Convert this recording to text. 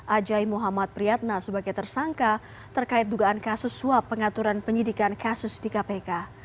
ajai muhammad priyatna sebagai tersangka terkait dugaan kasus suap pengaturan penyidikan kasus di kpk